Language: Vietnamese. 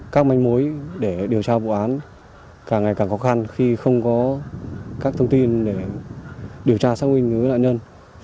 các manh mối để điều tra vụ án càng ngày càng khó khăn khi không có các thông tin để điều tra xác minh đối với nạn nhân